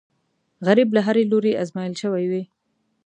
غریب له هرې لورې ازمېیل شوی وي